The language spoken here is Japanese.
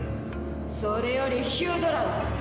それよりヒュドラム。